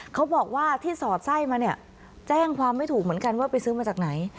เขาบอกว่าที่สอดไส้มาเนี่ยแจ้งความไม่ถูกเหมือนกันว่าไปซื้อมาจากไหน